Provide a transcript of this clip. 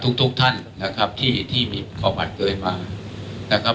ทุกทุกท่านนะครับที่ที่มีประวัติเกิดมานะครับ